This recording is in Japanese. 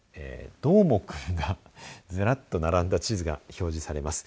どーもくんがずらっと並んだ地図が表示されます。